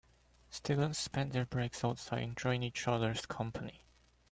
Student spend their breaks outside enjoying each others company.